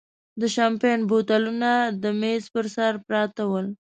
د شیمپین بوتلونه د مېز پر سر پراته ول.